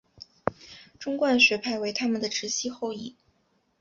中观学派为他们的直系后裔。